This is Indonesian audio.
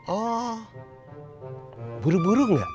oh buru buru nggak